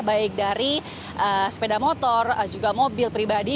baik dari sepeda motor juga mobil pribadi